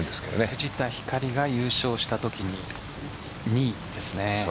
藤田光里が優勝したときに２位ですね。